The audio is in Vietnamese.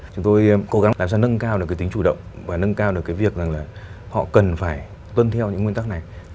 chúng tôi cố gắng làm sao nâng cao được cái tính chủ động và nâng cao được cái việc rằng là họ cần phải tuân theo những nguyên tắc này